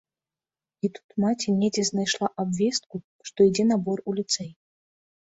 І тут маці недзе знайшла абвестку, што ідзе набор у ліцэй.